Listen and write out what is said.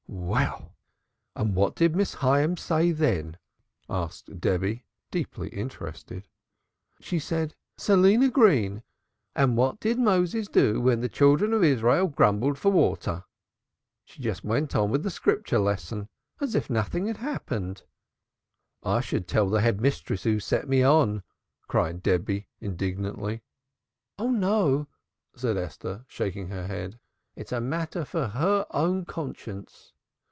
"Well, and what did Miss Hyams say then?" asked Debby, deeply interested. "She said: 'Selina Green, and what did Moses do when the Children of Israel grumbled for water?' She just went on with the Scripture lesson, as if nothing had happened." "I should tell the Head Mistress who sent me on," cried Debby indignantly. "Oh, no," said Esther shaking her head. "That would be mean. It's a matter for her own conscience.